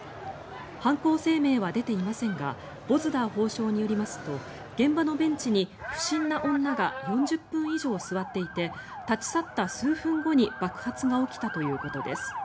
犯行声明は出ていませんがボズダー法相によりますと現場のベンチに不審な女が４０分以上座っていて立ち去った数分後に爆発が起きたということです。